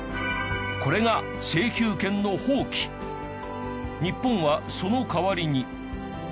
これが日本はその代わりに。